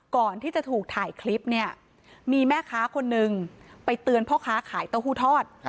ก่อนที่จะถูกถ่ายคลิปเนี่ยมีแม่ค้าคนนึงไปเตือนพ่อค้าขายเต้าหู้ทอด